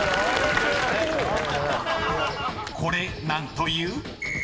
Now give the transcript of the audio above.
［これ何という？］